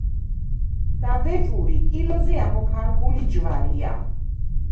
საბეჭური ტილოზე ამოქარგული ჯვარია.